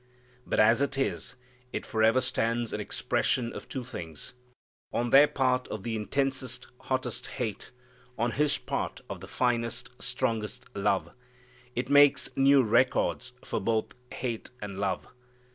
But as it is, it forever stands an expression of two things. On their part of the intensest, hottest hate; on His part of the finest, strongest love. It makes new records for both hate and love.